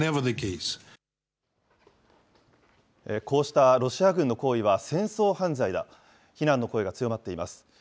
こうしたロシア軍の行為は戦争犯罪だ、非難の声が強まっています。